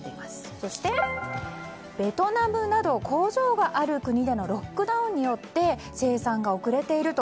そして、ベトナムなど工場がある国でのロックダウンによって生産が遅れていると。